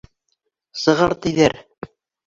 — Сығар, тиҙәр.